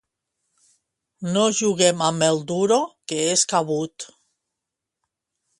No juguem amb el duro, que és cabut.